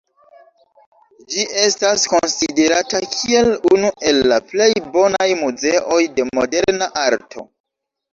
Ĝi estas konsiderata kiel unu el la plej bonaj muzeoj de moderna arto.